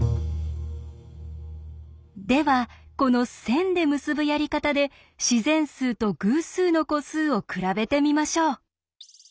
ではこの線で結ぶやり方で自然数と偶数の個数を比べてみましょう。